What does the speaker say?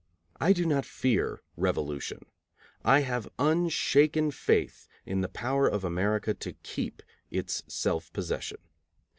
I do not fear revolution. I have unshaken faith in the power of America to keep its self possession.